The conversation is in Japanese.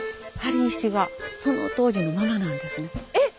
えっ？